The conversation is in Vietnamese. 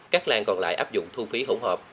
các làng còn lại áp dụng thu phí hỗn hợp